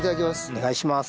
お願いします。